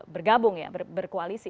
bergabung ya berkoalisi